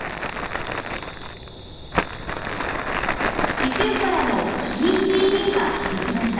シジュウカラの「ヒーヒーヒー」が響きました。